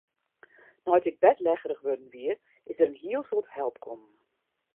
Nei't ik bêdlegerich wurden wie, is der in heel soad help kommen.